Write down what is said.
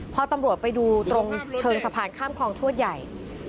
พอตำรวจไปดูตรงเชิงสะพานข้ามคลองชวดใหญ่